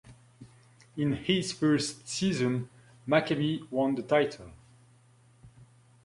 In his first season Maccabi won the title.